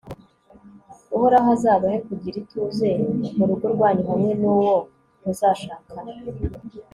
uhoraho azabahe kugira ituze mu rugo rwanyu hamwe n'uwo muzashakana